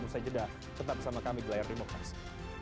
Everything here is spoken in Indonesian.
usai jeda tetap bersama kami di layar demokrasi